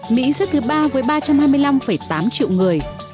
mỹ xếp thứ ba với ba trăm hai mươi năm tám triệu người